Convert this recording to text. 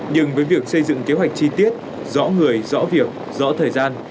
nhưng với việc xây dựng kế hoạch chi tiết rõ người rõ việc rõ thời gian